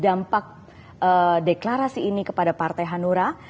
dan berapa besar dampak deklarasi ini kepada partai hanura